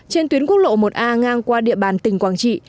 trên tuyến quốc lộ một a ngang qua địa bàn tỉnh quảng trị